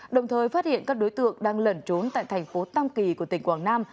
đồng thời phát hiện các đối tượng đang lẩn trốn tại thành phố tam kỳ của tỉnh quảng nam